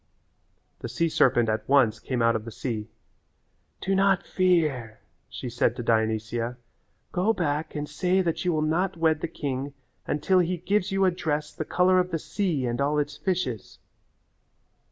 The sea serpent at once came out of the sea. "Do not fear," she said to Dionysia. "Go back and say that you will not wed the king until he gives you a dress the colour of the sea and all its fishes."